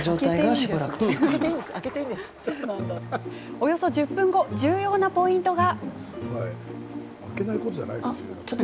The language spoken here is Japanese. およそ１０分後重要なポイントが。